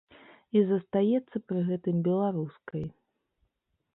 І застаецца пры гэтым беларускай.